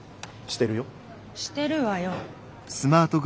してるわよ。